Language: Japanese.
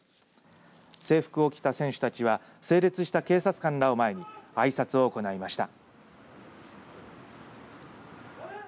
制服を着た選手たちは整列した警察官の前にあいさつを行いました。